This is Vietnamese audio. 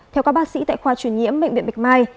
theo các bác sĩ tại khoa truyền nhiễm bệnh viện bạch mai